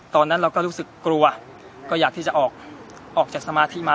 ตอนนั้นเราก็รู้สึกกลัวก็อยากที่จะออกออกจากสมาธิมา